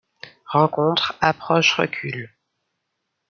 Rencontre approche-recul.